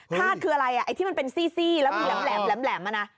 ขลาดคืออะไรอันที่มันเป็นซี่แล้วแหลมอะนะ